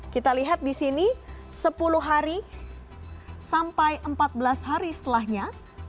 kita lihat di sini sepuluh hari sampai empat belas hari setelahnya